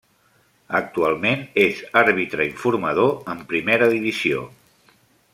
Actualment és àrbitre informador en primera divisió.